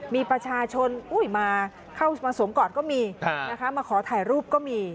มีประชาชนมาเข้ามาสวมก่อนก็มีนะคะมาขอถ่ายรูปก็มี